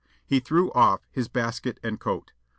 He threw off his basket and coat.